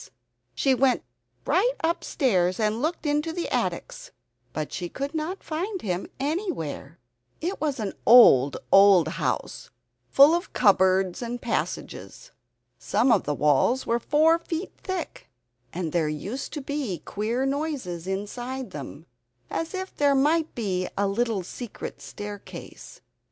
She went right upstairs and looked into the attics, but she could not find him anywhere. It was an old, old house, full of cupboards and passages. Some of the walls were four feet thick, and there used to be queer noises inside them, as if there might be a little secret staircase.